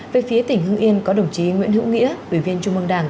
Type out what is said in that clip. về phía tỉnh hưng yên có đồng chí nguyễn hữu nghĩa ủy viên trung ương đảng